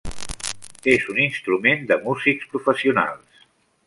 És un instrument de músics professionals.